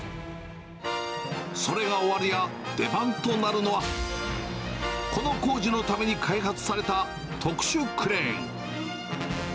それが終わるや、出番となるのは、この工事のために開発された特殊クレーン。